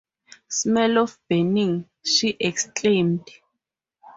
“Smell of burning!” she exclaimed.